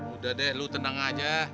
udah deh lu tenang aja